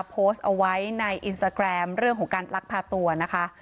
โพสต์เอาไว้ในอินสตาแกรมเรื่องของการลักพาตัวนะคะ